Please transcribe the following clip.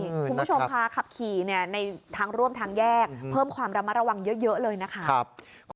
คุณผู้ชมค่ะขับขี่ในทางร่วมทางแยกเพิ่มความระมัดระวังเยอะเลยนะคะ